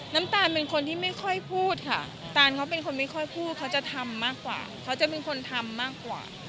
น้ำตาลเป็นคนที่ไม่ค่อยพูดค่ะตานเขาเป็นคนไม่ค่อยพูดเขาจะทำมากกว่าเขาจะเป็นคนทำมากกว่า